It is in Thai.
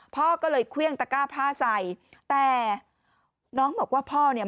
พ่อก็เลยเครื่องตะก้าผ้าใส่แต่น้องบอกว่าพ่อเนี่ย